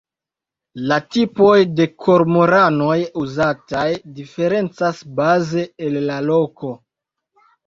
La tipoj de kormoranoj uzataj diferencas baze el la loko.